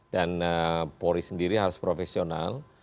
dan polri sendiri harus profesional